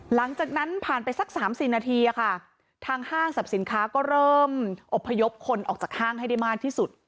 หลังจากนั้นผ่านไปสัก๓๔นาทีทางห้างสรรพสินค้าก็เริ่มอบพยพคนออกจากห้างให้ได้มากที่สุด